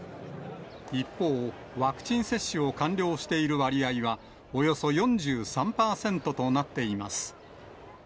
一方、ワクチン接種を完了している割合は、およそ４３％となっています。